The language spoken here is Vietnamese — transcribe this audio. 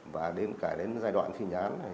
và đến cả đến giai đoạn thi nhán này